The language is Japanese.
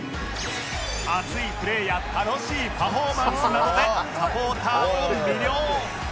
熱いプレーや楽しいパフォーマンスなどでサポーターを魅了